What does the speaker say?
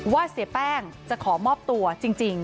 ว่าเสหย่าแป้งจะขอมอบตัวจริงจริง